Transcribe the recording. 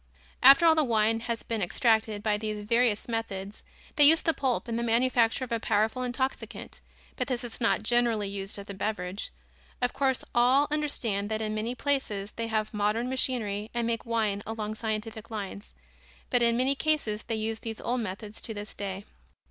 After all the wine has been extracted by these various methods, they use the pulp in the manufacture of a powerful intoxicant, but this is not generally used as a beverage. Of course, all understand that in many places they have modern machinery and make wine along scientific lines, but in many cases they use these old methods to this day.